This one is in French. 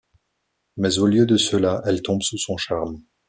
Mais au lieu de cela, elle tombe sous son charme.